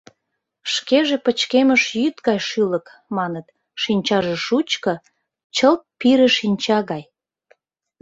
Шкеже пычкемыш йӱд гай шӱлык, маныт, шинчаже шучко, чылт пире шинча гай.